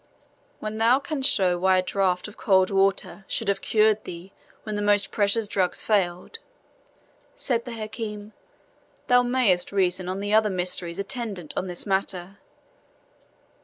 "When thou canst show why a draught of cold water should have cured thee when the most precious drugs failed," said the Hakim, "thou mayest reason on the other mysteries attendant on this matter.